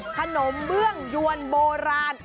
ขนมเมืองยวนโบราณ